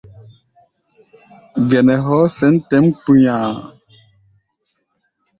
Gɛnɛ hɔɔ́ sɛ̌n tɛ̌ʼm kpu̧nya̧a̧.